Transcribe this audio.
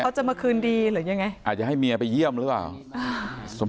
เขาจะมาคืนดีหรือยังไงอาจจะให้เมียไปเยี่ยมหรือเปล่า